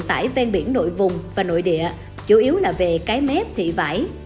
các khu kinh tế ven biển nội vùng và nội địa chủ yếu là về cái mép thị vải